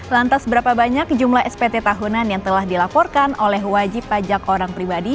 lantas berapa banyak jumlah spt tahunan yang telah dilaporkan oleh wajib pajak orang pribadi